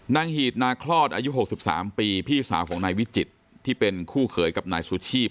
หีดนาคลอดอายุ๖๓ปีพี่สาวของนายวิจิตรที่เป็นคู่เขยกับนายสุชีพ